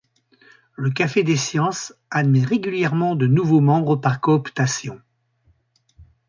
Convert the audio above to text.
Le Café des sciences admet régulièrement de nouveaux membres par cooptation.